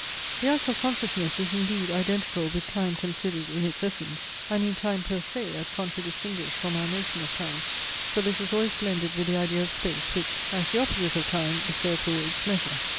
The act of consciousness is indeed identical with time considered in its essence. I mean time per se, as contra distinguished from our notion of time; for this is always blended with the idea of space, which, as the opposite of time, is therefore its measure.